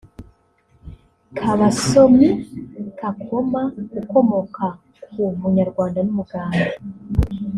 Kabasomi Kakoma (ukomoka ku munyarwanda n’Umugande)